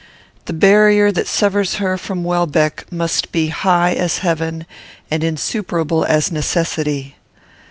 The barrier that severs her from Welbeck must be high as heaven and insuperable as necessity.